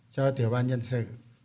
cho tiểu ban nhân sự